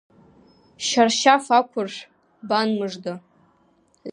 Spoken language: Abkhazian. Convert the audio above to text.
Шьаршьаф ақәыршә, бан-мыжда…